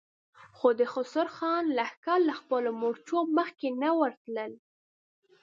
خو د خسرو خان لښکر له خپلو مورچو مخکې نه ورتلل.